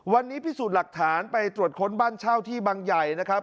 วันนี้พิสูจน์หลักฐานไปตรวจค้นบ้านเช่าที่บางใหญ่นะครับ